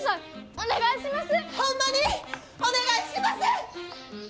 お願いします！